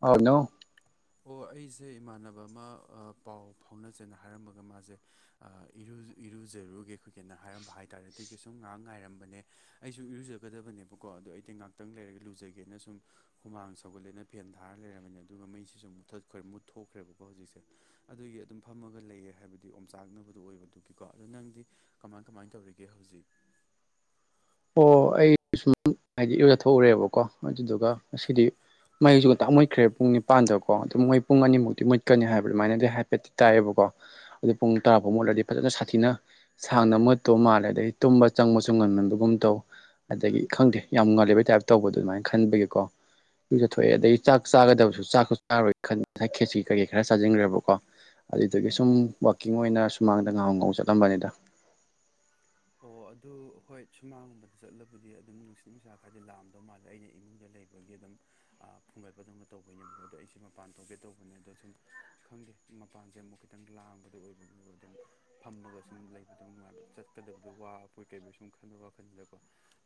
ꯍꯥꯎ ꯑꯣ ꯑꯩꯁꯦ ꯏꯃꯥꯟꯅꯕ ꯑꯃ ꯄꯥꯎ ꯐꯥꯎꯅꯖꯦꯅ ꯍꯥꯏꯔꯝꯃꯒ ꯃꯥꯁꯦ ꯏꯔꯨꯖꯔꯨꯒꯦ ꯍꯥꯏꯔꯝꯕ ꯍꯥꯏ ꯇꯥꯔꯦ ꯑꯗꯨꯒꯤ ꯁꯨꯝ ꯉꯥꯏꯍꯥꯛ ꯉꯥꯏꯔꯝꯕꯅꯦ ꯑꯩꯁꯨ ꯏꯔꯨꯖꯒꯗꯕꯅꯦꯕꯀꯣ ꯑꯗꯣ ꯑꯩꯗꯤ ꯉꯥꯏꯍꯥꯛꯇꯪ ꯂꯩꯔꯒ ꯂꯨꯖꯒꯦꯅ ꯁꯨꯝ ꯍꯨꯃꯥꯡ ꯁꯧꯒꯠꯂꯦꯅ ꯐꯦꯟ ꯊꯥꯔ ꯂꯩꯔꯔꯕꯅꯤꯅꯦ ꯑꯗꯨꯒ ꯃꯩꯁꯤꯁꯨ ꯃꯨꯠꯊꯠꯈ꯭ꯔꯦ ꯃꯨꯠꯊꯣꯛꯈ꯭ꯔꯦꯕꯀꯣ ꯍꯧꯖꯤꯛꯁꯦ ꯑꯗꯨꯒꯤ ꯑꯗꯨꯝ ꯐꯝꯃꯒ ꯂꯩꯌꯦ ꯍꯥꯏꯕꯗꯤ ꯑꯣꯝꯆꯥꯛꯅꯕꯗꯣ ꯑꯣꯏꯕꯗꯨꯒꯤꯀꯣ ꯑꯗꯣ ꯅꯪꯗꯤ ꯀꯃꯥꯏ ꯀꯃꯥꯏꯅ ꯇꯧꯔꯤꯒꯦ ꯍꯧꯖꯤꯛ ꯑꯣ ꯑꯩ ꯁꯨꯝ ꯍꯥꯏꯗꯤꯖꯠꯊꯎꯔꯦꯕꯀꯣ ꯑꯗꯨꯗꯨꯒ ꯑꯁꯤꯗꯤ ꯃꯩꯁꯨ ꯉꯛꯇ ꯃꯨꯠꯈ꯭ꯔꯦ ꯄꯨꯡ ꯅꯤꯄꯥꯟꯗꯀꯣ ꯑꯗꯨꯝ ꯃꯣꯏ ꯄꯨꯡ ꯑꯅꯤꯃꯨꯛꯇꯤ ꯃꯨꯠꯀꯅꯤ ꯍꯥꯏꯕ ꯑꯗꯨꯃꯥꯏꯅꯗꯤ ꯍꯥꯏꯐꯦꯠꯇꯤ ꯇꯥꯏꯑꯌꯦꯕꯀꯣ ꯑꯗꯨ ꯄꯨꯡ ꯇꯔꯥ ꯐꯥꯎꯕ ꯃꯨꯠꯂꯗꯤ ꯐꯖꯅ ꯁꯥꯊꯤꯅ ꯁꯥꯡꯅ ꯃꯨꯠꯇꯨ ꯃꯥꯜꯂꯦꯅ ꯑꯗꯒꯤ ꯇꯨꯝꯕ ꯆꯪꯕꯁꯨ ꯉ ꯑꯗꯨꯒꯨꯝ ꯇꯧ ꯑꯗꯒꯤ ꯈꯪꯗꯦ ꯌꯥꯝ ꯉꯜꯂꯤꯕꯩ ꯇꯥꯏꯞ ꯇꯧꯕꯗꯣ ꯑꯗꯨꯃꯥꯏꯅ ꯈꯟꯕꯒꯤꯀꯣ ꯂꯨꯖꯠꯊꯣꯛꯑꯦ ꯑꯗꯒꯤ ꯆꯥꯛ ꯆꯥꯒꯗꯕꯁꯨ ꯆꯥꯛꯁꯨ ꯆꯥꯔꯣꯏ ꯈꯟ ꯉꯁꯥꯏ ꯈꯦꯠꯁꯤ ꯀꯩꯀꯩ ꯈꯔ ꯆꯥꯟꯈ꯭ꯔꯕ ꯀꯣ ꯑꯗꯨꯏꯗꯨꯗꯒꯤ ꯁꯨꯝ ꯋꯥꯛꯀꯤꯡ ꯑꯣꯏꯅ ꯁꯨꯃꯥꯡꯗ ꯉꯥꯍꯛ ꯉꯥꯍꯛ ꯆꯠꯂꯝꯕꯅꯤꯗ ꯑꯣ ꯑꯗꯨ ꯍꯣꯏ ꯁꯨꯃꯥꯡꯒꯨꯝꯕꯗ ꯆꯠꯂꯕꯨꯗꯤ ꯑꯗꯨꯝ ꯅꯨꯡꯁꯤꯠ ꯅꯨꯡꯁꯥ ꯈꯔꯗꯤ ꯂꯥꯝꯗꯧ ꯃꯥꯜꯂꯦ ꯑꯩꯅ ꯏꯃꯨꯡꯗ ꯂꯩꯕ ꯒꯤ ꯑꯗꯨꯝ ꯐꯨꯡꯒꯠꯄꯗꯨꯅ ꯇꯧꯕꯩꯅꯦꯕꯀꯣ ꯑꯗꯣ ꯑꯩꯁꯦ ꯃꯄꯥꯟ ꯊꯣꯛꯀꯦ ꯇꯧꯕꯅꯦ ꯑꯗꯣ ꯁꯨꯝ ꯈꯪꯗꯦ ꯃꯄꯥꯟꯁꯦ ꯑꯃꯨꯛ ꯈꯤꯇꯪ ꯂꯥꯡꯕꯗꯣ ꯑꯣꯏꯕꯒꯤ ꯑꯗꯨꯝ ꯐꯝꯃꯒ ꯁꯨꯝ ꯂꯩꯕꯗꯣ ꯅꯨꯡꯉꯥꯏꯕ ꯆꯠꯀꯗꯕꯗꯣ ꯋꯥꯕꯣꯏ ꯀꯩꯕꯣꯏ ꯁꯨꯝ ꯈꯟꯕ ꯋꯥꯈꯜꯖꯤꯗꯀꯣ꯫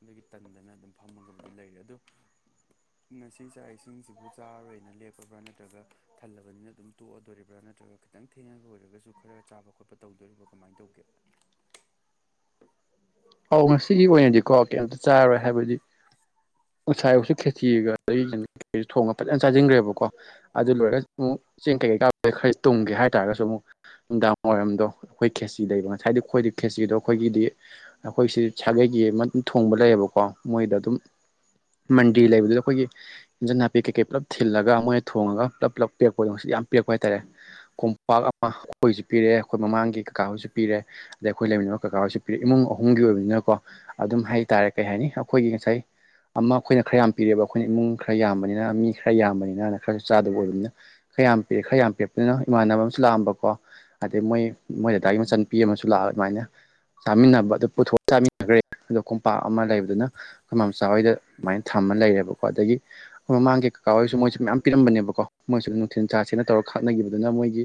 ꯑꯗꯒꯤ ꯇꯟꯗꯅ ꯑꯗꯨꯝ ꯐꯝꯃꯒꯕꯨꯗꯤ ꯂꯩꯔꯦ ꯑꯗꯨ [inaudible] ꯉꯁꯤ ꯆꯥꯛ ꯏꯁꯤꯡꯁꯤꯕꯨ ꯆꯥꯔꯣꯏꯅ ꯂꯦꯞꯄꯕ꯭ꯔꯥ ꯅꯠꯇ꯭ꯔꯒ ꯊꯜꯂꯕꯅꯤꯅ ꯑꯗꯨꯝ ꯇꯣꯛꯑꯗꯣꯔꯤꯕ꯭ꯔꯥ ꯅꯠꯇ꯭ꯔꯒ ꯈꯤꯇꯪ ꯊꯦꯡꯉꯒ ꯑꯣꯏꯔꯒꯁꯨ ꯈꯔ ꯆꯥꯕ ꯈꯣꯠꯄ ꯇꯧꯗꯣꯔꯤꯕ ꯀꯃꯥꯏꯅ ꯇꯧꯒꯦ ꯑꯧ ꯉꯁꯤꯒꯤ ꯑꯣꯏꯅꯗꯤꯀꯣ ꯀꯩꯇ ꯆꯥꯔꯣꯏ ꯍꯥꯏꯕꯗꯤ ꯉꯁꯥꯏ ꯑꯌꯨꯛꯒꯤ ꯈꯦꯖꯤꯒ ꯀꯩꯒ ꯊꯣꯡꯉꯒ ꯐꯖꯅ ꯆꯥꯁꯤꯟꯈ꯭ꯔꯦꯕꯀꯣ ꯑꯗꯨ ꯂꯣꯏꯔꯒ ꯑꯃꯨꯛ ꯆꯦꯡ ꯀꯩꯀꯩ ꯀꯥꯗ ꯈꯔ ꯇꯨꯝꯒꯦ ꯍꯥꯏꯇꯥꯥꯔꯒꯁꯨ ꯑꯃꯨꯛ ꯅꯨꯡꯗꯥꯡ ꯋꯥꯏꯔꯝꯗꯣ ꯑꯩꯈꯣꯏ ꯈꯦꯁꯤꯗꯩꯕ ꯉꯁꯥꯏꯗꯤ ꯑꯩꯈꯣꯏꯗꯤ ꯈꯦꯆꯗꯣ ꯑꯩꯈꯣꯏꯒꯤꯗꯤ ꯑꯩꯈꯣꯏꯁꯤ ꯁꯥꯒꯩꯒꯤ ꯑꯃ ꯑꯗꯨꯝ ꯊꯣꯡꯕ ꯂꯩꯌꯦꯕꯀꯣ ꯃꯣꯏꯗ ꯑꯗꯨꯝ ꯃꯟꯗꯤ ꯂꯩꯕꯗꯨꯗ ꯑꯩꯈꯣꯏꯒꯤ ꯏꯟꯖꯥꯡ ꯅꯥꯄꯤ ꯀꯩꯀꯩ ꯄꯨꯂꯞ ꯊꯤꯜꯂꯒ ꯃꯣꯏꯅ ꯊꯣꯡꯉꯒ ꯄꯨꯂꯞ ꯄꯨꯂꯞ ꯄꯦꯛꯄꯗꯣ ꯃꯁꯤ ꯌꯥꯝ ꯄꯦꯛꯄ ꯍꯥꯏꯇꯥꯔꯦ ꯀꯣꯝꯄꯥꯛ ꯑꯃ ꯑꯩꯈꯣꯏꯁꯨ ꯄꯤꯔꯛꯑꯦ ꯑꯩꯈꯣꯏ ꯃꯃꯥꯡꯒꯤ ꯀꯀꯥ ꯍꯣꯏꯁꯨ ꯄꯤꯔꯦ ꯑꯗꯩ ꯑꯩꯈꯣꯏ ꯂꯩꯃꯤꯕ ꯀꯀꯥꯔꯕꯁꯤ ꯄꯤꯔꯛ ꯏꯃꯨꯡ ꯑꯍꯨꯝꯒꯤ ꯑꯣꯏꯕꯅꯤꯅꯀꯣ ꯑꯗꯨꯝ ꯍꯥꯏꯇꯥꯔꯦ ꯀꯩ ꯍꯥꯏꯅꯤ ꯑꯩꯈꯣꯏꯒꯤ ꯉꯁꯥꯏ ꯑꯃ ꯑꯩꯈꯣꯏꯅ ꯈꯔ ꯌꯥꯝ ꯄꯤꯔꯑꯦꯕ ꯑꯩꯈꯣꯏꯅ ꯏꯃꯨꯡ ꯈꯔ ꯌꯥꯝꯕꯅꯤꯅ ꯃꯤ ꯈꯔ ꯌꯥꯝꯕꯅꯤꯅ ꯈꯔꯁꯨ ꯆꯥꯗꯕ ꯑꯣꯏꯕꯅꯤꯅ ꯈ ꯌꯥꯝ ꯄꯤꯑꯦ ꯈꯔ ꯌꯥꯝ ꯄꯤꯔꯛꯄꯅꯤꯅ ꯏꯃꯥꯟꯅꯕ ꯑꯃꯁꯨ ꯂꯥꯛꯑꯝꯕꯀꯣ ꯑꯗꯩ ꯃꯣꯏ ꯃꯣꯏ ꯗꯗꯥꯒꯤ ꯃꯆꯟꯨꯄꯤ ꯑꯃꯁꯨ ꯂꯥꯛꯑ ꯑꯗꯨꯃꯥꯏꯅ ꯆꯥꯃꯤꯟꯅꯕ ꯄꯨꯊꯣꯛꯑ ꯆꯥꯃꯤꯟꯅꯈ꯭ꯔꯦ ꯑꯗꯣ ꯀꯣꯝꯄꯥꯛ ꯑꯃ ꯂꯩꯕꯗꯨꯅ ꯈꯃꯝꯆꯥ ꯍꯣꯏꯗ ꯑꯗꯨꯃꯥꯏꯅ ꯊꯝꯃ ꯂꯩꯔꯦꯕꯀꯣ ꯑꯗꯒꯤ ꯍꯣꯏ ꯃꯃꯥꯡꯒꯤ ꯀꯀꯥ ꯑꯣꯏꯔꯁꯨ ꯃꯣꯏꯁꯨꯦ ꯃꯌꯥꯝ ꯄꯤꯔꯝꯕꯅꯦꯕꯀꯣ ꯃꯣꯏꯁꯨꯗ ꯅꯨꯡꯊꯤꯤꯟ ꯆꯁꯤꯅ ꯇꯧꯔꯒ ꯈꯥꯛꯅꯈꯤꯕꯗꯨꯅ ꯃꯣꯏꯒꯤ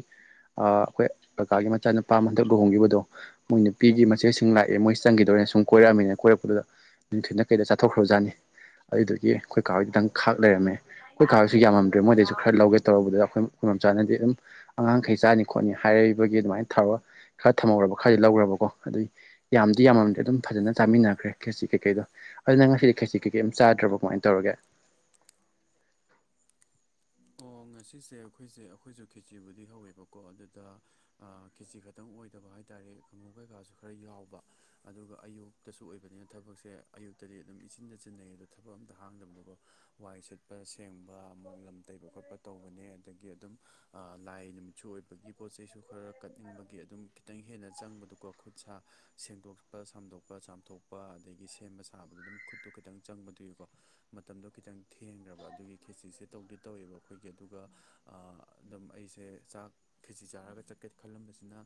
ꯑꯩꯈꯣꯏ ꯀꯀꯥꯒꯤ ꯃꯆꯥꯅꯨꯄꯥ ꯑꯃ ꯍꯟꯗꯛ ꯂꯨꯍꯣꯡꯈꯤꯕꯗꯣ ꯃꯣꯏ ꯅꯨꯄꯤꯒꯤ ꯃꯆꯦꯁꯤꯡ ꯂꯥꯛꯑꯦ ꯃꯣꯏ ꯆꯪꯈꯤꯗꯣꯔꯦꯅ ꯁꯨꯝ ꯀꯣꯏꯔꯛꯑꯃꯤꯅ ꯀꯣꯏꯔꯛꯄꯗꯨꯗ ꯅꯨꯡꯊꯤꯠꯅ ꯀꯩꯗ ꯆꯠꯊꯣꯛ꯭ꯔꯕꯖꯥꯠꯅꯤ ꯑꯗꯨꯗꯨꯒꯤ ꯑꯩꯈꯣꯏ ꯀꯥ ꯈꯤꯇꯪ ꯈꯥꯛ ꯂꯩꯔꯝꯃꯦ ꯑꯩꯈꯣꯏ ꯈꯥꯔꯁꯨ ꯌꯥꯝꯃꯝꯗ꯭ꯔꯦ ꯃꯣꯏꯗꯩ ꯈꯔ ꯂꯧꯒꯦ ꯇꯧꯔꯨꯕꯗ ꯑꯩꯈꯣꯏ ꯑꯩꯈꯣꯏ ꯃꯆꯥꯅꯗꯤ ꯑꯗꯨꯝ ꯑꯉꯥꯡꯈꯩ ꯆꯥꯅꯤ ꯈꯣꯠꯅꯤ ꯍꯥꯏꯔꯤꯕꯒꯤ ꯑꯗꯨꯃꯥꯏꯅ ꯊꯧꯔꯣ ꯈꯔ ꯊꯝꯍꯧꯔꯕ ꯈꯔꯗꯤ ꯂꯧꯈ꯭ꯔꯕꯀꯣ ꯑꯗꯨꯏ ꯌꯥꯝ ꯑꯗꯨꯗꯤ ꯌꯥꯝꯃꯝꯗꯤ ꯑꯗꯨꯝ ꯐꯖꯅ ꯆꯥꯃꯤꯟꯅꯈ꯭ꯔꯦ ꯈꯦꯁꯤ ꯀꯩꯀꯩꯗꯣ ꯑꯗꯨꯅ ꯉꯁꯤꯗꯤ ꯈꯦꯁꯤ ꯀꯩꯀꯩ ꯌꯥꯝ ꯆꯥꯗ꯭ꯔꯕ ꯀꯃꯥꯏꯅ ꯇꯧꯔꯒꯦ ꯑꯣ ꯉꯁꯤꯁꯦ ꯑꯩꯈꯣꯏꯁꯦ ꯑꯩꯈꯣꯏꯁꯨ ꯈꯦꯆꯤꯕꯨꯗꯤ ꯍꯧꯋꯦꯕꯀꯣ ꯑꯗꯨꯗ ꯈꯦꯆꯤ ꯈꯛꯇꯪ ꯑꯣꯏꯗꯕ ꯍꯥꯏ ꯇꯥꯔꯦ ꯀꯥꯡꯉꯨ ꯀꯩꯀꯥꯁꯨ ꯈꯔ ꯌꯥꯎꯕ ꯑꯗꯨꯒ ꯑꯌꯨꯛ ꯀꯁꯨ ꯑꯣꯏꯕꯅꯤꯅ ꯊꯕꯛꯁꯦ ꯑꯌꯨꯛꯇꯗꯤ ꯑꯗꯨꯝ ꯏꯆꯤꯟꯗ ꯆꯤꯟꯅꯩꯌꯦ ꯑꯗꯣ ꯊꯕꯛ ꯑꯝꯇ ꯍꯥꯡꯗꯕꯗꯣꯀꯣ ꯋꯥꯏ ꯁꯤꯠꯄ ꯁꯦꯡꯕ ꯑꯃꯨꯛ ꯂꯝ ꯇꯩꯕ ꯈꯣꯠꯄ ꯇꯧꯕꯅꯦ ꯑꯗꯒꯤ ꯑꯗꯨꯝ ꯂꯥꯏ ꯅꯨꯃꯤꯠꯁꯨ ꯑꯣꯏꯕꯒꯤ ꯄꯣꯠ ꯆꯩꯁꯨ ꯈꯔ ꯀꯠꯅꯤꯡꯕꯒꯤ ꯑꯗꯨꯝ ꯈꯤꯇꯪ ꯍꯦꯟꯅ ꯆꯪꯕꯗꯨꯀꯣ ꯈꯨꯠ ꯁꯥ ꯁꯦꯡꯗꯣꯛꯄ ꯁꯝꯗꯣꯛꯄ ꯆꯥꯝꯊꯣꯛꯄ ꯑꯗꯒꯤ ꯁꯦꯝꯕ ꯁꯥꯕꯗ ꯑꯗꯨꯝ ꯈꯨꯠꯇꯣ ꯈꯤꯇꯪ ꯆꯪꯕꯗꯨꯒꯤꯀꯣ ꯃꯇꯝꯗꯣ ꯈꯤꯇꯪ ꯊꯦꯡꯈ꯭ꯔꯕ ꯑꯗꯨꯒꯤ ꯈꯦꯆꯛꯁꯦ ꯇꯧꯗꯤ ꯇꯧꯋꯦꯕꯀ ꯑꯩꯈꯣꯏꯒꯤ ꯑꯗꯨꯒ ꯑꯗꯨꯝ ꯑꯩꯁꯦ ꯆꯥꯛ ꯈꯦꯖꯤ ꯆꯥꯔꯒ ꯆꯠꯀꯦ ꯈꯜꯂꯝꯕꯁꯤꯅ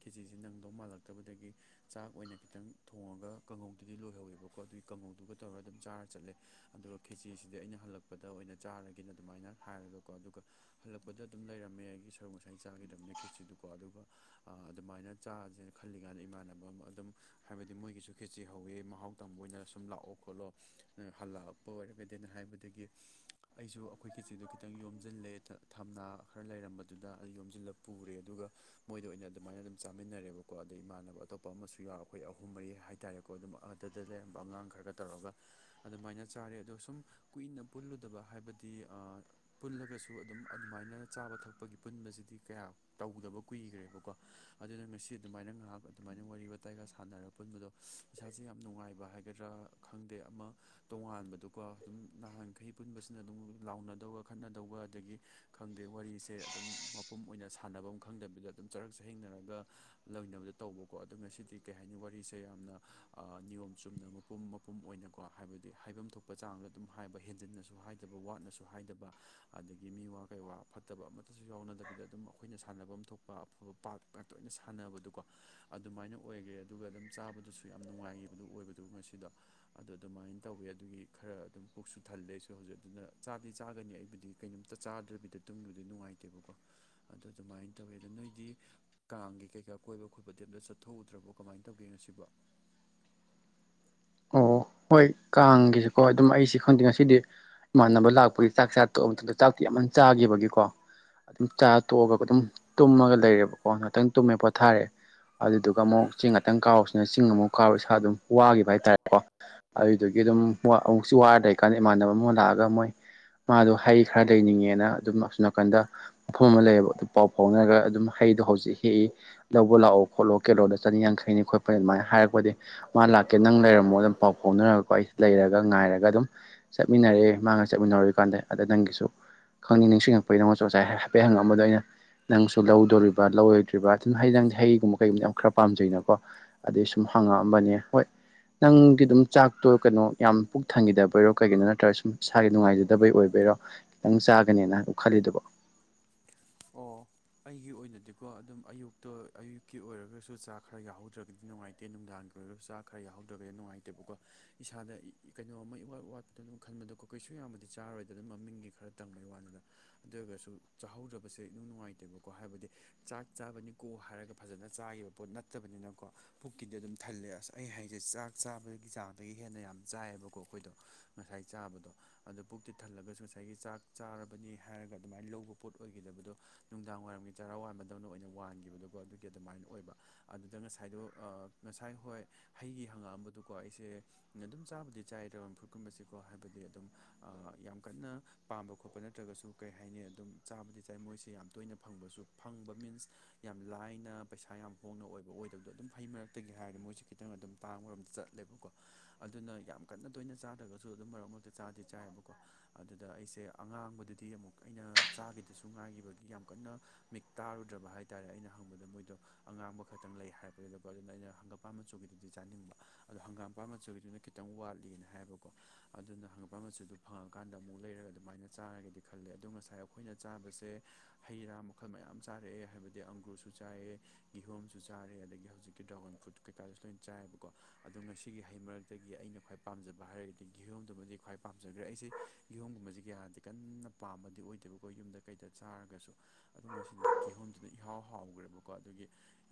ꯈꯦꯆꯁꯤ ꯅꯪꯗꯧ ꯃꯥꯜꯂꯛꯇꯕꯗꯒꯤ ꯆꯥꯛ ꯑꯣꯏꯅ ꯈꯤꯇꯪ ꯊꯣꯡꯉꯒ ꯀꯥꯡꯉꯧꯗꯨꯗꯤ ꯂꯣꯏꯍꯧꯋꯦꯕꯀꯣ ꯑꯗꯨꯒꯤ ꯀꯥꯡꯉꯧꯗꯨꯒ ꯇꯧꯔꯒ ꯑꯗꯨꯝ ꯆꯥꯔ ꯆꯠꯂꯦ ꯑꯗꯨꯒ ꯈꯦꯆꯦꯁꯤꯗꯤ ꯑꯩꯅ ꯍꯜꯂꯛꯄꯗ ꯑꯣꯏꯅ ꯆꯥꯔꯒꯦꯅ ꯑꯗꯨꯃꯥꯏꯅ ꯍꯥꯏꯔꯒꯀꯣ ꯑꯗꯨꯒ ꯍꯜꯂꯛꯄꯗ ꯑꯗꯨꯝ ꯂꯩꯔꯝꯃꯦ ꯑꯩꯒꯤ ꯁꯔꯨꯛ ꯉꯁꯥꯏ ꯆꯥꯈꯤꯗꯕꯅꯤꯅ ꯀꯦꯠꯁꯤꯗꯨꯀꯣ ꯑꯗꯨꯒ ꯑꯗꯨꯃꯥꯏꯅ ꯆꯥꯥꯁꯦꯅ ꯈꯜꯂꯤꯀꯥꯟꯗ ꯏꯃꯥꯟꯅꯕ ꯑꯃ ꯑꯗꯨꯝ ꯍꯥꯏꯕꯗꯤ ꯃꯣꯏꯒꯤꯁꯨ ꯈꯦꯆꯤ ꯍꯧꯋꯤ ꯃꯍꯥꯎ ꯃꯇꯝ ꯇ ꯑꯣꯏꯅ ꯁꯨꯝ ꯂꯥꯛꯑꯣ ꯈꯣꯠꯂꯣ ꯍꯜꯂꯛꯄ ꯑꯣꯏꯔꯒꯗꯤꯅ ꯍꯥꯏꯕꯗꯒꯤ ꯑꯩꯁꯨ ꯑꯩꯈꯣꯏ ꯀꯆꯤꯗꯨ ꯈꯤꯇꯪ ꯌꯣꯝꯁꯤꯜꯂꯦ ꯊꯝꯅꯥ ꯈꯔ ꯂꯩꯔꯝꯕꯗꯨꯗ ꯑꯗꯨ ꯌꯣꯝꯁꯤꯜꯂ ꯄꯨꯔꯦ ꯑꯗꯨꯒ ꯃꯣꯏꯗ ꯑꯣꯏꯅ ꯑꯗꯨꯃꯥꯏꯅ ꯑꯗꯨꯝ ꯆꯥꯃꯤꯟꯅꯔꯦꯕꯀꯣ ꯑꯗꯩ ꯏꯃꯥꯟꯅꯕ ꯑꯇꯣꯞꯄ ꯑꯃꯁꯨ ꯌꯥꯎ ꯑꯩꯈꯣꯏ ꯑꯍꯨꯝ ꯃꯔꯤ ꯍꯥꯏ ꯍꯥꯏꯇꯥꯔꯦꯀꯣ ꯑꯗꯨꯝ ꯑꯗꯨꯗ ꯂꯩꯔꯝꯕ ꯑꯉꯥꯡ ꯈꯔꯒ ꯇꯧꯔꯒ ꯑꯗꯨꯃꯥꯏꯅ ꯆꯥꯔꯦ ꯑꯗꯣ ꯁꯨꯝ ꯀꯨꯏꯅ ꯄꯨꯜꯂꯨꯗꯕ ꯍꯥꯏꯕꯗꯤ ꯄꯨꯜꯂꯒꯁꯨ ꯑꯗꯨꯝ ꯑꯗꯨꯃꯥꯏꯅ ꯆꯥꯕ ꯊꯛꯄꯒꯤ ꯄꯨꯟꯕꯁꯤꯗꯤ ꯀꯌꯥ ꯇꯧꯗꯕ ꯀꯨꯏꯈ꯭ꯔꯦꯕꯀꯣ ꯑꯗꯨꯅ ꯉꯁꯤ ꯑꯗꯨꯃꯥꯏꯅ ꯉꯥꯏꯍꯥꯛ ꯑꯗꯨꯃꯥꯏꯅ ꯋꯥꯔꯤ ꯋꯥꯇꯥꯏꯒ ꯁꯥꯟꯅꯔꯛꯄ ꯑꯄꯨꯟꯕꯗꯣ ꯏꯁꯥꯁꯦ ꯌꯥꯝ ꯅꯨꯡꯉꯥꯏꯕ ꯍꯥꯏꯒꯗ꯭ꯔꯥ ꯈꯪꯗꯦ ꯑꯃ ꯇꯣꯉꯥꯟꯕꯗꯣꯀꯣ ꯑꯗꯨꯝ ꯅꯍꯥꯟꯈꯩ ꯄꯨꯟꯕꯁꯤꯅ ꯑꯗꯨꯝ ꯂꯥꯎꯅꯗꯧꯕ ꯋꯥꯈꯠꯅꯗꯧꯕ ꯑꯗꯒꯤ ꯈꯪꯗꯦ ꯋꯥꯔꯤꯁꯦ ꯑꯗꯨꯝ ꯃꯄꯨꯝ ꯑꯣꯏꯅ ꯁꯥꯟꯅꯕ ꯑꯃ ꯈꯪꯗꯕꯤꯗ ꯑꯗꯨꯝ ꯆꯔꯛ ꯆꯍꯦꯡꯅꯔꯒ ꯂꯣꯏꯅꯕꯗ ꯇꯧꯕꯀꯣ ꯑꯗꯨ ꯉꯁꯤꯗꯤ ꯀꯩ ꯍꯥꯏꯅꯤ ꯋꯥꯔꯤꯁꯦ ꯌꯥꯝꯅ ꯅꯤꯌꯣꯝ ꯆꯨꯝꯅ ꯄꯨꯝ ꯃꯄꯨꯝ ꯑꯣꯏꯅꯀꯣ ꯍꯥꯏꯕꯗꯤ ꯍꯥꯏꯐꯝ ꯊꯣꯛꯄ ꯆꯥꯡꯗ ꯑꯗꯨꯝ ꯍꯥꯏꯕ ꯍꯦꯟꯖꯤꯟꯅꯁꯨ ꯍꯥꯏꯗꯕ ꯋꯥꯠꯅꯁꯨ ꯍꯥꯏꯗꯕ ꯑꯗꯒꯤ ꯃꯤꯋꯥ ꯀꯩꯋꯥ ꯐꯠꯇꯕ ꯑꯃꯠꯇꯁꯨ ꯌꯥꯎꯅꯗꯕꯤꯗ ꯑꯗꯨꯝ ꯑꯩꯈꯣꯏꯅ ꯁꯥꯟꯅꯕꯝ ꯊꯣꯛꯄ ꯑꯐꯕ ꯄꯥꯔꯠ ꯇꯣꯏꯅ ꯁꯥꯟꯅꯕꯗꯣꯀꯣ ꯑꯗꯨꯃꯥꯏꯅ ꯑꯣꯏꯈ꯭ꯔꯦ ꯑꯗꯨꯒ ꯑꯗꯨꯝ ꯆꯥꯕꯗꯁꯨ ꯌꯥꯝ ꯅꯨꯡꯉꯥꯏꯈꯤꯕꯗꯨꯣ ꯑꯣꯏꯕꯗꯨ ꯉꯁꯤꯗ ꯑꯗꯨꯗ ꯑꯗꯨꯃꯥꯏꯅ ꯇꯧꯋꯤ ꯑꯗꯨꯒꯤ ꯈꯔ ꯑꯗꯨꯝ ꯄꯨꯛꯁꯨ ꯊꯜꯂꯦꯁꯨ ꯍꯧꯖꯤꯛ ꯑꯗꯨꯅ ꯆꯥꯗꯤ ꯆꯥꯒꯅꯤ ꯑꯩ ꯕꯗꯤ ꯀꯩꯅꯣꯝꯇ ꯆꯥꯗ꯭ꯔꯕꯤꯗ ꯇꯨꯡꯗꯕꯗꯤ ꯅꯨꯡꯉꯥꯏꯇꯦꯕꯀꯣ ꯑꯗꯨꯗ ꯑꯗꯨꯃꯥꯏꯅ ꯇꯧꯋꯦ ꯑꯗꯣ ꯅꯣꯏꯗꯤ ꯀꯥꯡꯒꯤ ꯀꯩꯀꯥ ꯀꯣꯏꯕ ꯈꯣꯠꯄꯗꯤ ꯑꯇ ꯆꯠꯣꯛꯎꯗ꯭ꯔꯕꯣ ꯀꯃꯥꯏꯅ ꯇꯧꯒꯦꯣ ꯁꯤꯕꯣ ꯑꯣ ꯍꯣꯏ ꯀꯥꯡꯒꯤꯁꯤꯀꯣ ꯑꯗꯨꯝ ꯑꯩꯁꯤ ꯈꯪꯗꯦ ꯉꯁꯤꯗꯤ ꯏꯃꯥꯟꯅꯕ ꯂꯥꯛꯄꯒꯤ ꯆꯥꯛ ꯆꯥ ꯇꯣꯛ ꯃꯇꯝꯗ ꯆꯥꯛꯇꯣ ꯌꯥꯝꯃ ꯇꯥꯛ ꯆꯥꯈꯤꯕꯒꯤꯀꯣ ꯑꯗꯨꯝ ꯆꯥ ꯇꯣꯛꯑꯒ ꯑꯗꯨꯝ ꯇꯨꯝꯃꯒ ꯂꯩꯔꯦꯕꯀꯣ ꯉꯍꯥꯛꯇꯪ ꯇꯨꯝꯃꯦ ꯄꯣꯊꯥꯔꯦ ꯑꯗꯨꯗꯨꯒ ꯑꯃꯨꯛ ꯆꯤꯡ ꯉꯥꯛꯇꯪ ꯀꯥꯎꯁꯤꯅ ꯆꯤꯡ ꯑꯃꯨꯛ ꯀꯥꯎꯔ ꯏꯁꯥ ꯑꯗꯨꯝ ꯋꯥꯈꯤꯕ ꯍꯥꯏꯇꯥꯔꯦ ꯀꯣ ꯑꯗꯨꯗꯨꯒꯤ ꯑꯗꯨꯝ ꯑꯃꯨꯛꯁꯨ ꯋꯥꯔꯗ ꯑꯩꯀꯥꯟꯗ ꯏꯃꯥꯟꯅꯕ ꯑꯃ ꯂꯥꯛꯑꯒ ꯃꯣꯏ ꯃꯥꯗꯣ ꯍꯩ ꯈꯔ ꯂꯩꯅꯤꯡꯉꯦꯅ ꯑꯗꯨꯝ ꯑꯁꯣꯝ ꯅꯥꯀꯟꯗ ꯃꯐꯝ ꯑꯃ ꯂꯩꯌꯦꯕ ꯑꯗꯨ ꯄꯥꯎ ꯐꯥꯎꯅꯔꯒ ꯑꯗꯨꯝ ꯍꯩꯗꯣ ꯍꯧꯖꯤꯛ ꯍꯦꯛꯏ ꯂꯧꯕ ꯂꯥꯛꯑꯣ ꯈꯣꯠꯂꯣ ꯀꯦꯂꯣꯗ ꯆꯅꯤ ꯌꯥꯡꯈꯩꯅꯤ ꯈꯣꯠꯄꯅꯤ ꯑꯗꯨꯃꯥꯏꯅ ꯍꯥꯏꯔꯛꯄꯗꯤ ꯃꯥ ꯂꯥꯛꯀꯦ ꯅꯪ ꯂꯩꯔꯝ ꯑꯃꯨꯛ ꯑꯗꯨꯝ ꯄꯥꯎ ꯐꯥꯎꯅꯔꯒꯀꯣ ꯑꯩ ꯂꯩꯔꯒ ꯉꯥꯏꯔꯒ ꯑꯗꯨꯝ ꯆꯠꯃꯤꯟꯅꯔꯦ ꯃꯥꯡꯉꯒ ꯆꯠꯃꯤꯟꯅꯔꯣꯏ ꯀꯥꯟꯗ ꯑꯗ ꯅꯪꯒꯤꯁꯨ ꯈꯪꯅꯤꯡ ꯅꯤꯡꯁꯤꯡ ꯑꯩꯈꯣꯏꯗꯉꯣ ꯉꯥꯏ ꯍꯥꯏꯐꯦꯠꯪꯉꯑꯝꯕꯗ ꯑꯩꯅ ꯅꯪꯁꯨ ꯂꯧꯗꯣꯔꯤꯕ ꯂꯧꯔꯣꯏꯗ꯭ꯔꯤꯕ ꯑꯗꯨꯅ ꯍꯩ ꯅꯪꯁꯦ ꯍꯩꯒꯨꯝꯕ ꯀꯩꯒꯨꯝꯕ ꯈꯔ ꯄꯥꯝꯖꯅꯀꯣ ꯑꯗꯩ ꯁꯨꯝ ꯍꯪꯉꯛꯑꯝꯕꯅꯦ ꯍꯣꯏ ꯅꯪꯒꯤ ꯑꯗꯨꯝ ꯆꯥꯛꯇꯣ ꯀꯩꯅꯣ ꯌꯥꯝ ꯄꯨꯛ ꯊꯪꯈꯤꯗꯕꯩꯔꯣ ꯀꯩꯒꯤꯅꯣ ꯅꯠꯇ꯭ꯔꯒ ꯁꯨꯝ ꯏꯁꯥꯒꯤ ꯅꯨꯡꯉꯥꯏꯖꯗꯕꯩ ꯑꯣꯏꯕꯩꯔꯣ ꯈꯤꯇꯪ ꯆꯥꯒꯅꯦꯅ ꯎ ꯈꯜꯂꯤꯗꯕꯣ ꯑꯣ ꯑꯩꯒꯤ ꯑꯣꯏꯅꯗꯤꯀꯣ ꯑꯗꯨꯝ ꯑꯌꯨꯛꯇ ꯑꯌꯨꯛꯀꯤ ꯑꯣꯏꯔꯒꯁꯨ ꯆꯥꯛ ꯈꯔ ꯌꯥꯍꯧꯗ꯭ꯔꯒꯗꯤ ꯅꯨꯡꯉꯥꯏꯇꯦ ꯇꯦꯟ ꯅꯨꯡꯗꯥꯡꯒꯤ ꯑꯣꯏꯔꯒꯁꯨ ꯆꯥꯛ ꯈꯔ ꯌꯥꯎꯧꯗ꯭ꯔꯕꯗꯤ ꯅꯨꯡꯉꯥꯏꯇꯦꯕꯀꯣ ꯏꯁꯥꯗ ꯀꯩꯅꯣꯝꯃ ꯏꯋꯥꯠ ꯋꯥꯠ ꯑ ꯑꯗꯨꯝ ꯈꯟꯕꯗꯣꯀꯣ ꯀꯩꯁꯨ ꯌꯥꯝꯕꯗꯤ ꯆꯥꯔꯣꯏꯗ ꯑꯗꯨꯝ ꯃꯃꯤꯡꯒꯤ ꯈꯔ ꯇꯪꯕꯩ ꯋꯥꯅꯤꯗ ꯑꯗꯨ ꯑꯣꯏꯔꯒꯁꯨ ꯆꯥꯍꯧꯗꯕ ꯁꯦ ꯑꯗꯨꯝ ꯅꯨꯡꯉꯥꯏꯇꯦꯕꯀꯣ ꯍꯥꯏꯕꯗꯤ ꯆꯥꯛ ꯆꯥꯕꯅꯤꯀꯣ ꯍꯥꯏꯔꯒ ꯐꯖꯅ ꯆꯥꯈꯤꯕ ꯄꯣꯠ ꯅꯠꯇꯕꯅꯤꯅꯀꯣ ꯄꯨꯛꯀꯤꯗꯤ ꯑꯗꯨꯝ ꯊꯜꯂꯦ ꯑꯁ ꯑꯩ ꯍꯥꯏꯁꯦ ꯆꯥꯛ ꯆꯥꯕꯒꯤ ꯆꯥꯗꯒꯤ ꯍꯦꯟꯅ ꯌꯥꯝ ꯆꯥꯏꯌꯦꯕꯀꯣ ꯑꯩꯈꯣꯏꯗꯣ ꯉꯁꯥꯏ ꯆꯥꯕꯗꯣ ꯑꯣ ꯄꯨꯛꯇꯤ ꯊꯜꯂꯒꯁꯨ ꯉꯁꯥꯏꯒꯤ ꯆꯥꯛ ꯆꯥꯔꯕꯅꯤ ꯍꯥꯏꯔꯒ ꯑꯗꯨꯃꯥꯏꯅ ꯂꯧꯕ ꯄꯣꯠ ꯑꯣꯏꯈꯤꯗꯕꯗꯣ ꯅꯨꯡꯗꯥꯡ ꯋꯥꯏꯔꯝꯒꯤ ꯆꯔꯥ ꯋꯥꯟꯕꯗꯧꯅ ꯑꯣꯏꯅ ꯋꯥꯟꯈꯤꯕꯗꯣꯀꯣ ꯑꯗꯨꯒꯤ ꯑꯗꯨꯃꯥꯏꯅ ꯑꯣꯏꯕ ꯑꯗꯨꯗ ꯉꯁꯥꯏꯗꯣ ꯉꯁꯥꯏ ꯍꯣꯏ ꯍꯩꯒꯤ ꯍꯪꯉꯛꯑꯝꯕꯗꯨꯀꯣ ꯑꯩꯁꯦ ꯑꯗꯨꯝ ꯆꯥꯕꯨꯗꯤ ꯆꯥꯏꯗ ꯐꯨꯠꯀꯨꯝꯕꯕꯁꯤꯀꯣ ꯍꯥꯏꯕꯗꯤ ꯑꯗꯨꯝ ꯌꯥꯝ ꯀꯟꯅ ꯄꯥꯝꯕ ꯈꯣꯠꯄ ꯅꯠꯇ꯭ꯔꯒꯁꯨ ꯀꯩ ꯍꯥꯏꯅꯤ ꯑꯗꯨꯝ ꯆꯥꯕꯗꯤ ꯇꯥꯏ ꯃꯣꯏꯁꯦ ꯌꯥꯝ ꯇꯣꯏꯅ ꯐꯪꯕꯁꯨ ꯐꯪꯕ ꯃꯤꯟꯁ ꯌꯥꯝ ꯂꯥꯏꯅ ꯄꯩꯁꯥ ꯌꯥꯝ ꯍꯣꯡꯅ ꯑꯣꯏꯕ ꯑꯣꯏꯗꯕꯗꯣ ꯑꯗꯨꯝ ꯐꯩ ꯃꯔꯛꯇꯒꯤ ꯍꯥꯏꯔꯗꯤ ꯃꯣꯏꯁꯦ ꯈꯤꯇꯪ ꯑꯗꯨꯝ ꯇꯥꯡꯕꯔꯣꯝꯗ ꯆꯠꯂꯦꯕꯀꯣ ꯑꯗꯨꯅ ꯌꯥꯝ ꯀꯟꯅ ꯇꯣꯏꯅ ꯆꯥꯗ꯭ꯔꯒꯁꯨ ꯑꯗꯨꯝ ꯃꯔꯛ ꯃꯔꯛꯇ ꯆꯥꯗꯤ ꯆꯥꯏꯌꯦꯕꯀꯣ ꯑꯗꯨꯗ ꯑꯩꯁꯦ ꯑꯉꯥꯡꯕꯗꯨꯗꯤ ꯑꯃꯨꯛ ꯑꯩꯅ ꯆꯥꯈꯤꯗꯁꯨ ꯉꯥꯏꯈꯤꯕꯒꯤ ꯌꯥꯝ ꯀꯟꯅ ꯃꯤꯠ ꯇꯥꯔꯨꯗ꯭ꯔꯕ ꯍꯥꯏ ꯇꯥꯔꯦ ꯑꯩꯅ ꯍꯪꯕꯗ ꯃꯣꯏꯗꯣ ꯑꯉꯥꯡꯕ ꯈꯛꯇꯪ ꯂꯩ ꯍꯥꯏꯕꯗꯨꯗꯀꯣ ꯑꯗꯨꯅ ꯑꯩꯅ ꯍꯪꯒꯥꯝꯄꯥꯥꯟ ꯃꯆꯨꯒꯤꯗꯨꯗꯤ ꯆꯥꯅꯤꯡꯕ ꯑꯗꯣ ꯍꯪꯒꯥꯝꯄꯥ ꯃꯆꯨꯒꯤꯗꯨꯅ ꯈꯤꯇꯪ ꯈꯤꯇꯪ ꯋꯥꯠꯂꯤꯅ ꯍꯥꯏꯕꯀꯣ ꯑꯗꯨꯅ ꯍꯪꯉꯛꯄ ꯃꯆꯨꯗꯨ ꯐꯪꯉꯀꯥꯟꯗ ꯑꯃꯨꯛ ꯂꯩꯔꯒ ꯑꯗꯨꯃꯥꯏꯅ ꯆꯥꯔꯒꯗꯤ ꯈꯜꯂꯦ ꯑꯗꯨꯣ ꯉꯁꯥꯏ ꯑꯩꯈꯣꯏꯅ ꯆꯥꯕꯁꯦ ꯍꯩ ꯔꯥ ꯃꯈꯜ ꯃꯌꯥꯝ ꯆꯥꯔꯛꯑꯦ ꯍꯥꯏꯕꯗꯤ ꯑꯪꯒ꯭ꯔꯨꯁꯨ ꯆꯥꯏꯑꯦ ꯀꯤꯍꯣꯝꯁꯨ ꯆꯥꯔꯦ ꯑꯗꯒꯤ ꯍꯧꯖꯤꯛꯀꯤ ꯗ꯭ꯔꯥꯒꯟ ꯐ꯭ꯔꯨꯠ ꯀꯩꯀꯥꯁꯨ ꯂꯣꯏ ꯆꯥꯏꯕꯀꯣ ꯑꯗꯣ ꯉꯁꯤꯒꯤ ꯍꯩ ꯃꯔꯛꯇꯒꯤ ꯑꯩꯅ ꯈ꯭ꯋꯥꯏ ꯄꯥꯝꯖꯕ ꯍꯥꯏꯔꯒꯗꯤ ꯀꯤꯍꯣꯝꯗꯨꯃꯗꯤ ꯈ꯭ꯋꯥꯏ ꯄꯥꯝꯖꯈ꯭ꯔꯦ ꯑꯩꯁꯦ ꯀꯤꯍꯣꯝꯒꯨꯝꯕꯁꯤ ꯀꯌꯥ ꯍꯥꯏꯔꯗꯤ ꯀꯟꯅ ꯄꯥꯝꯕꯃꯗꯤ ꯑꯣꯏꯗꯦꯕ ꯑꯩꯈꯣꯏ ꯌꯨꯝꯗ ꯀꯩꯗ ꯆꯥꯔꯒꯁꯨ ꯑꯗꯣ ꯉꯁꯤꯗꯤ ꯀꯤꯍꯣꯝꯗꯨꯅ ꯏꯍꯥꯎ ꯍꯥꯎꯈ꯭ꯔꯦꯕꯀꯣ ꯑꯗꯨꯒꯤ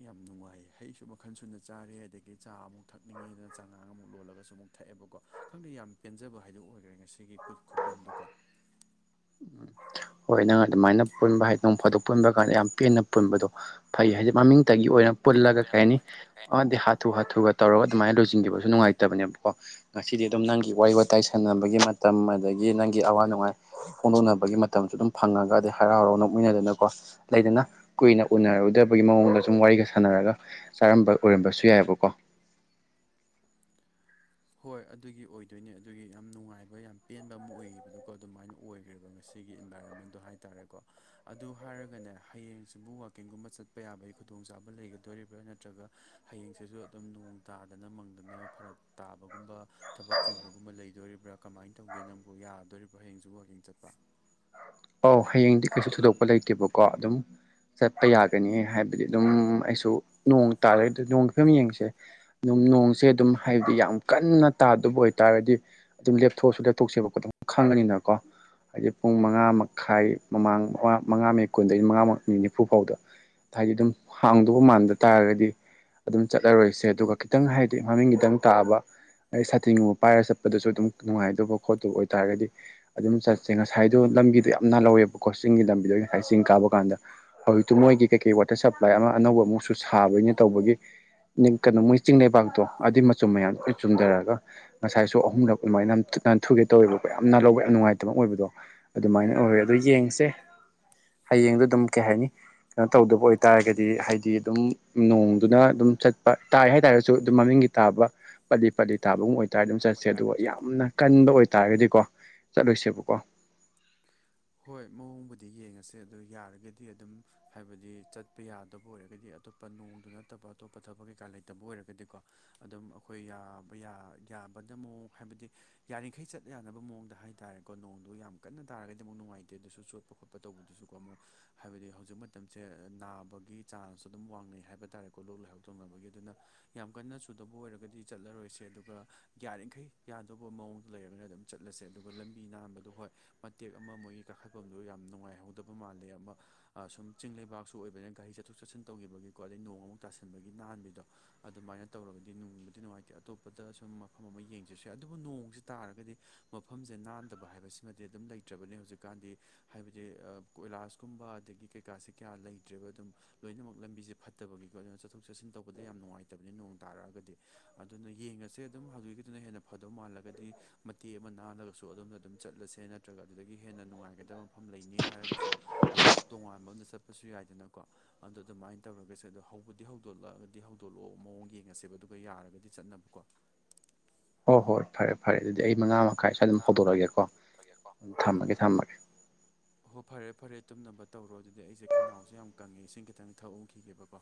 ꯌꯥꯝ ꯅꯨꯡꯉꯥꯏ ꯍꯩꯁꯨ ꯃꯈꯟ ꯁꯨꯅ ꯆꯥꯔꯦ ꯑꯗꯒꯤ ꯆꯥ ꯑꯃꯨꯛ ꯊꯛꯅꯤꯡꯉꯦꯗꯅ ꯆꯥꯉꯥꯡ ꯑꯃꯨꯛ ꯂꯣꯜꯂꯒꯁꯨ ꯑꯃꯨꯛ ꯊꯛꯑꯦꯕꯀꯣ ꯈꯪꯗꯦ ꯌꯥꯝ ꯄꯦꯟꯖꯕ ꯍꯥꯏꯗꯣ ꯑꯣꯏꯈ꯭ꯔꯦ ꯉꯁꯤꯒꯤ ꯈꯨꯄꯨꯟꯗꯨꯀꯣ ꯎꯝ ꯍꯣꯏ ꯅꯪ ꯑꯗꯨꯃꯥꯏꯅ ꯄꯨꯟꯕ ꯍꯥꯏꯗꯤ ꯅꯣꯡ ꯐꯗ ꯄꯨꯟꯕ ꯀꯥꯟꯗ ꯌꯥꯝ ꯄꯦꯟꯅ ꯄꯨꯟꯕꯗꯣ ꯐꯩ ꯍꯥꯏꯗꯤ ꯃꯃꯤꯡꯇꯒꯤ ꯑꯣꯏꯅ ꯗꯒꯤ ꯄꯨꯜꯂꯒ ꯀꯩ ꯍꯥꯏꯅꯤ ꯑꯣꯏꯔꯝꯂꯒ ꯀꯩ ꯑꯃꯗꯤ ꯍꯥꯊꯨ ꯍꯥꯊꯨꯒ ꯇꯧꯔꯒ ꯑꯗꯨꯃꯥꯏꯅ ꯂꯣꯏꯁꯤꯟꯈꯤꯕꯁꯨ ꯅꯨꯡꯉꯥꯏꯇꯕꯅꯦꯕꯀꯣ ꯉꯁꯤꯗꯤ ꯑꯗꯨꯝ ꯅꯪꯒꯤ ꯋꯥꯔꯤ ꯋꯥꯇꯥꯏ ꯁꯥꯟꯅꯕꯒꯤ ꯃꯇꯝ ꯑꯗꯒꯤ ꯅꯪꯒꯤ ꯑꯋꯥ ꯅꯨꯡꯉꯥꯏ ꯐꯣꯡꯗꯣꯛꯅꯕꯒꯤ ꯃꯇꯝꯁꯨ ꯑꯗꯨꯝ ꯐꯪꯉꯒ ꯑꯗꯩ ꯍꯔꯥꯎ ꯍꯔꯥꯎ ꯅꯣꯛꯃꯤꯟꯅꯗꯅꯀꯣ ꯂꯩꯗꯅ ꯀꯨꯏꯅ ꯎꯅꯔꯨꯗꯕꯒꯤ ꯃꯑꯣꯡꯗ ꯁꯨꯝ ꯋꯥꯔꯤꯒ ꯁꯥꯟꯅꯔꯒ ꯆꯥꯔꯝꯕ ꯑꯣꯏꯔꯝꯕꯁꯨ ꯌꯥꯏꯑꯕꯀꯣ ꯍꯣꯏ ꯑꯗꯨꯒꯤ ꯑꯣꯏꯗꯣꯏꯅꯦ ꯑꯗꯨꯒꯤ ꯌꯥꯝ ꯅꯨꯡꯉꯥꯏꯕ ꯌꯥꯝ ꯄꯦꯟꯕ ꯑꯃ ꯑꯣꯏꯌꯦꯕꯗꯨꯀꯣ ꯑꯗꯨꯃꯥꯏꯅ ꯑꯣꯏꯈ꯭ꯔꯦꯕ ꯉꯁꯤ ꯁꯤꯒꯤ ꯏꯟꯚꯥꯏꯔꯣꯟꯃꯦꯟꯗꯣ ꯍꯥꯏꯇꯥꯔꯦꯀꯣ ꯑꯗꯨ ꯍꯥꯏꯔꯒꯅꯦ ꯍꯌꯦꯡꯁꯤꯕꯨ ꯋꯥꯛꯀꯤꯡꯒꯨꯝꯕ ꯆꯠꯄ ꯌꯥꯕꯒꯤ ꯈꯨꯗꯣꯡꯆꯥꯕ ꯂꯩꯒꯗꯣꯔꯤꯕ꯭ꯔꯥ ꯅꯠꯇ꯭ꯔꯒ ꯍꯌꯦꯡꯁꯤꯁꯨ ꯑꯗꯨꯝ ꯅꯣꯡ ꯇꯥꯗꯅ ꯃꯪꯗꯅ ꯐꯔꯛ ꯇꯥꯕꯒꯨꯝꯕ ꯊꯕꯛ ꯆꯤꯟꯕꯒꯨꯝꯕ ꯂꯩꯗꯣꯔꯤꯕ꯭ꯔꯥ ꯀꯃꯥꯏꯅ ꯇꯧꯒꯦ ꯅꯪꯕꯨ ꯌꯥꯗꯣꯔꯤꯕ꯭ꯔꯣ ꯍꯌꯦꯡꯁꯨ ꯋꯥꯛꯀꯤꯡ ꯆꯠꯄ ꯑꯧ ꯍꯌꯦꯡꯗꯤ ꯀꯩꯁꯨ ꯊꯣꯏꯗꯣꯛꯄ ꯂꯩꯇꯦꯕꯀꯣ ꯑꯗꯨꯝ ꯆꯠꯄ ꯌꯥꯒꯅꯤ ꯍꯥꯏꯕꯗꯤ ꯑꯗꯨꯝ ꯑꯩꯁꯨ ꯅꯣꯡ ꯇꯥꯔꯒ ꯅꯣꯡꯒꯤ ꯐꯤꯕꯝ ꯌꯦꯡꯁꯦ ꯅꯨꯡ ꯅꯣꯡꯁꯦ ꯑꯗꯨꯝ ꯍꯥꯏꯕꯗꯤ ꯌꯥꯝ ꯀꯟꯅ ꯇꯥꯗꯕ ꯑꯣꯏꯇꯥꯔꯗꯤ ꯑꯗꯨꯝ ꯂꯦꯞꯊꯣꯛꯑꯁꯨ ꯂꯦꯞꯊꯣꯛꯁꯦꯕꯀꯣ ꯑꯗꯨꯝ ꯈꯪꯉꯅꯤꯅꯀꯣ ꯍꯥꯏꯗꯤ ꯄꯨꯡ ꯃꯉꯥꯃ ꯈꯥꯏ ꯃꯃꯥꯡ ꯃꯉꯥ ꯃꯤ ꯀꯨꯟꯗꯒꯤ ꯃꯉꯥ ꯃꯤꯅꯤꯠ ꯅꯤꯐꯨ ꯐꯥꯎꯗ ꯍꯥꯏꯗꯤ ꯑꯗꯨꯝ ꯍꯥꯡꯗꯧꯕ ꯃꯥꯟꯗ ꯇꯥꯔꯒꯗꯤ ꯑꯗꯨꯝ ꯆꯠꯂꯔꯣꯏꯁꯦ ꯑꯗꯨꯒ ꯈꯤꯇꯪ ꯍꯥꯏꯗꯤ ꯃꯃꯤꯡ ꯈꯤꯇꯪ ꯇꯥꯕ ꯑꯩ ꯁꯥꯇꯤꯟꯒꯨꯝꯕ ꯄꯥꯏꯔꯒ ꯆꯠꯄꯗꯁꯨ ꯑꯗꯨꯝ ꯅꯨꯡꯉꯥꯏꯗꯧꯕ ꯈꯣꯠꯇꯧꯕ ꯑꯣꯏꯇꯥꯔꯒꯗꯤ ꯑꯗꯨꯝ ꯆꯠꯁꯦ ꯉꯁꯥꯏꯗꯣ ꯂꯝꯒꯤꯗꯣ ꯌꯥꯝ ꯅꯥꯜꯍꯧꯋꯦꯕ ꯀꯣ ꯆꯤꯡꯒꯤ ꯂꯝꯕꯤꯗꯣ ꯉꯁꯥꯏ ꯆꯤꯡ ꯀꯥꯕ ꯀꯥꯟꯗ ꯍꯧꯖꯤꯛꯇꯤ ꯃꯣꯏꯒꯤ ꯀꯩꯀꯩ ꯋꯥꯇꯔ ꯁꯄ꯭ꯂꯥꯏ ꯑꯃ ꯑꯅꯧꯕ ꯑꯃꯨꯛꯁꯨ ꯁꯥꯕꯅꯤꯅ ꯇꯧꯕꯒꯤ ꯅꯤꯡ ꯀꯩꯅꯣ ꯃꯣꯏ ꯆꯤꯡ ꯂꯩꯕꯥꯛꯇꯣ ꯑꯗꯨꯏ ꯃꯆꯨꯝ ꯃꯌꯥꯝ ꯆꯨꯝꯗꯔꯒ ꯉꯁꯥꯏꯁꯨ ꯑꯍꯨꯝꯂꯛ ꯑꯗꯨꯃꯥꯏꯅ ꯌꯥꯝ ꯅꯥꯟꯊꯨꯒꯦ ꯇꯧꯋꯦꯕꯀꯣ ꯌꯥꯝꯅ ꯅꯥꯜꯂꯧꯕ ꯌꯥꯝ ꯅꯨꯡꯉꯥꯏꯇꯕ ꯑꯣꯏꯕꯗꯣ ꯑꯗꯨꯃꯥꯏꯅ ꯍꯣꯏ ꯑꯗꯣ ꯌꯦꯡꯁꯦ ꯍꯌꯦꯡꯗꯣ ꯑꯗꯨꯝ ꯀꯩ ꯍꯥꯏꯅꯤ ꯀꯩꯅꯣ ꯇꯧꯗꯕ ꯑꯣꯏꯇꯥꯔꯒꯗꯤ ꯍꯥꯏꯗꯤ ꯑꯗꯨꯝ ꯅꯣꯡꯗꯨꯅ ꯑꯗꯨꯝ ꯆꯠꯄ ꯇꯥꯏ ꯍꯥꯏꯇꯥꯔꯁꯨ ꯑꯗꯨꯝ ꯃꯃꯤꯡꯒꯤ ꯇꯥꯕ ꯄꯠꯂꯤ ꯄꯠꯂꯤ ꯇꯥꯒꯨꯝ ꯑꯣꯏꯇꯥꯔꯗꯤ ꯑꯗꯨꯝ ꯆꯠ ꯆꯠꯁꯦ ꯑꯗꯨꯒ ꯌꯥꯝꯅ ꯀꯟꯕ ꯑꯣꯏꯇꯥꯥꯔꯒꯗꯤꯀꯣ ꯆꯠꯂꯣꯏꯁꯦꯕꯀꯣ ꯍꯣꯏ ꯃꯑꯣꯡꯕꯨꯗꯤ ꯌꯦꯡꯉꯁꯦ ꯑꯗꯣ ꯌꯥꯔꯒꯗꯤ ꯑꯗꯨꯝ ꯍꯥꯏꯕꯗꯤ ꯆꯠꯄ ꯌꯥꯗꯕ ꯑꯣꯏꯔꯒꯗꯤ ꯑꯇꯣꯞꯄ ꯅꯣꯡꯗꯨ ꯅꯠꯇꯕ ꯑꯇꯣꯞꯄ ꯊꯕꯛ ꯀꯩꯀꯥ ꯂꯩꯇꯕ ꯑꯣꯏꯔꯒꯗꯤꯀꯣ ꯑꯗꯨꯝ ꯑꯩꯈꯣꯏ ꯌꯥꯕ ꯌꯥ ꯌꯥꯕꯗ ꯃꯑꯣꯡ ꯍꯥꯏꯕꯗꯤ ꯌꯥꯔꯤꯈꯩ ꯆꯠ ꯌꯥꯅꯕ ꯃꯑꯣꯡꯗ ꯍꯥꯏꯇꯥꯥꯔꯦ ꯀꯣ ꯅꯣꯡꯗꯨ ꯌꯥꯝ ꯀꯟꯅ ꯇꯥꯔꯒꯗꯤ ꯨꯑꯃꯨꯛ ꯅꯨꯡꯉꯥꯏꯇꯦ ꯑꯗꯨꯁꯨ ꯆꯣꯠꯄ ꯈꯣꯠꯄ ꯇꯧꯕꯗꯨꯁꯨꯀꯣ ꯑꯃꯨꯛ ꯍꯥꯏꯕꯗꯤ ꯍꯧꯖꯤꯛ ꯃꯇꯝꯁꯦ ꯅꯥꯕꯒꯤ ꯆꯥꯟꯁꯇꯣ ꯑꯗꯨꯝ ꯋꯥꯡꯅꯩ ꯍꯥꯏꯕ ꯇꯥꯔꯦꯀꯣ ꯂꯣꯛ ꯂꯥꯏꯍꯥꯎ ꯇꯧꯅꯕꯒꯤ ꯑꯗꯨꯅ ꯌꯥꯝ ꯀꯟꯅ ꯆꯨꯗꯕ ꯑꯣꯏꯔꯒꯗꯤ ꯆꯠꯂꯔꯣꯏꯁꯦ ꯑꯗꯨꯒ ꯌꯥꯔꯤꯈꯩ ꯌꯥꯗꯧꯕ ꯃꯑꯣꯡꯗꯣ ꯂꯩꯔꯒꯅ ꯑꯗꯨꯝ ꯆꯠꯂꯁꯦ ꯑꯗꯨꯒ ꯂꯝꯕꯤ ꯅꯥꯟꯕꯗꯣ ꯍꯣꯏ ꯇꯦꯛ ꯑꯃ ꯃꯣꯏꯒꯤ ꯀꯥꯈꯠꯄꯝꯗꯨ ꯌꯥꯝꯅ ꯅꯨꯡꯉꯥꯏꯍꯧꯗꯕ ꯃꯥꯂꯦ ꯑꯃ ꯁꯨꯝ ꯆꯤꯡ ꯂꯩꯕꯥꯛꯁꯨ ꯑꯣꯏꯕꯅꯤꯅ ꯒꯥꯔꯤ ꯆꯠꯊꯣꯛ ꯆꯠꯁꯤꯟ ꯇꯧꯈꯤꯕꯒꯤꯀꯣ ꯑꯗꯗꯒꯤ ꯅꯣꯡꯃꯨꯛ ꯇꯥꯁꯟꯕꯒꯤ ꯅꯥꯟꯕꯤꯗꯣ ꯑꯗꯨꯃꯥꯏꯅ ꯇꯧꯔꯒꯗꯤ ꯅꯨꯡꯕꯗꯤ ꯅꯨꯡꯉꯥꯏꯇꯦ ꯑꯇꯣꯞꯄꯗ ꯁꯨꯝ ꯃꯐꯝ ꯑꯃ ꯌꯦꯡꯖꯁꯦ ꯑꯗꯨꯕꯨ ꯅꯣꯡꯖꯤ ꯇꯥꯔꯒꯗꯤ ꯃꯐꯝꯖꯦ ꯅꯥꯟꯗꯕ ꯍꯥꯏꯕꯁꯤꯃꯗꯤ ꯑꯗꯨꯝ ꯂꯩꯇ꯭ꯔꯕꯅꯦ ꯍꯧꯖꯤꯛꯀꯥꯟꯗꯤ ꯍꯥꯏꯕꯗꯤ ꯀꯣꯏꯂꯥꯁꯀꯨꯝꯕ ꯑꯗꯒꯤ ꯀꯩꯀꯥꯁꯦ ꯀꯌꯥ ꯂꯩꯇ꯭ꯔꯦꯕ ꯑꯗꯨꯝ ꯂꯣꯏꯅꯃꯛ ꯂꯝꯕꯤꯁꯦ ꯐꯠꯇꯕꯒꯤꯀꯣ ꯑꯗꯨꯅ ꯆꯠꯊꯣꯛ ꯆꯠꯁꯤꯟ ꯇꯧꯕꯗ ꯌꯥꯝ ꯅꯨꯡꯉꯥꯏꯇꯕꯅꯤ ꯅꯣꯡ ꯇꯥꯔꯛꯑꯒꯗꯤ ꯑꯗꯨꯅ ꯌꯦꯡꯉꯁꯦ ꯑꯗꯨꯝ ꯍꯧꯖꯤꯛꯀꯤꯗꯨꯅ ꯍꯦꯟꯅ ꯐꯗꯧ ꯃꯥꯜꯂꯒꯗꯤ ꯃꯇꯦꯛ ꯑꯃ ꯅꯥꯜꯂꯒꯁꯨ ꯑꯗꯣꯝꯗ ꯑꯗꯨꯝ ꯆꯠꯂꯁꯦꯅ ꯅꯠꯇ꯭ꯔꯒ ꯑꯗꯨꯗꯒꯤ ꯍꯦꯟꯅ ꯅꯨꯡꯉꯥꯏꯒꯗꯕ ꯃꯐꯝ ꯂꯩꯅꯤ ꯍꯥꯏꯔꯒꯁꯨ ꯑꯗꯨꯝ ꯇꯣꯉꯥꯟꯕ ꯑꯝꯗ ꯆꯠꯄꯁꯨ ꯌꯥꯏꯗꯅꯀꯣ ꯑꯗꯨꯗ ꯑꯗꯨꯃꯥꯏꯅ ꯇꯧꯔꯒꯁꯦ ꯑꯗꯣ ꯍꯧꯕꯗꯤ ꯍꯧꯗꯣꯛꯂꯛꯑꯒꯗꯤ ꯍꯧꯗꯣꯛꯂꯛꯑꯣ ꯃꯑꯣꯡ ꯌꯦꯡꯉꯁꯦꯕ ꯑꯗꯨꯒ ꯌꯥꯔꯒꯗꯤ ꯆꯠꯅꯕꯀꯣ ꯍꯣꯏ ꯍꯣꯏ ꯐꯔꯦ ꯐꯔꯦ ꯑꯗꯨꯗꯤ ꯑꯩ ꯃꯉꯥ ꯃꯈꯥꯏ ꯁ꯭ꯋꯥꯏ ꯑꯗꯨꯝ ꯍꯧꯗꯣꯔꯛꯑꯒꯦꯀꯣ ꯊꯝꯃꯒꯦ ꯊꯝꯃꯒꯦ ꯍꯣ ꯐꯔꯦ ꯐꯔꯦ ꯇꯨꯝꯅꯕ ꯇꯧꯔꯣ ꯑꯗꯨꯗꯤ ꯑꯩꯁꯦ ꯈꯅꯥꯎꯁꯦ ꯌꯥꯝ ꯀꯪꯉꯦ ꯏꯁꯤꯡ ꯈꯤꯇꯪ ꯊꯛꯎꯈꯤꯒꯦꯕꯀꯣ